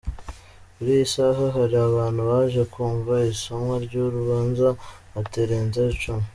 Kuri iyi saha hari bantu baje kumva isomwa ry’uru rubanza batarenze cumi.